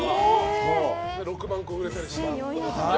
６万個売れたりしたら。